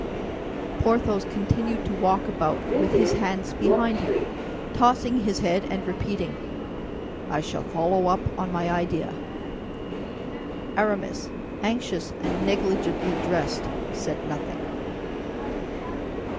Porthos continued to walk about with his hands behind him, tossing his head and repeating, "I shall follow up on my idea." Aramis, anxious and negligently dressed, said nothing.